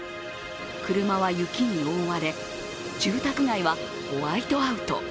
車は雪に覆われ、住宅街はホワイトアウト。